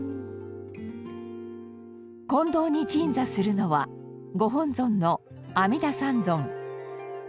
金堂に鎮座するのはご本尊の阿弥陀三尊。